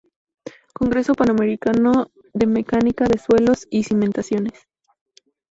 Congreso Panamericano de Mecánica de Suelos y Cimentaciones.